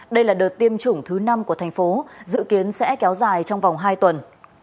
đây là đợt tiêm chủng thứ năm của tp hcm dự kiến sẽ kéo dài trong vòng hai tuần